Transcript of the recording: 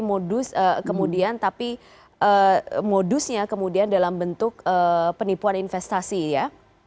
oke tapi modusnya kemudian dalam bentuk penipuan investasi ya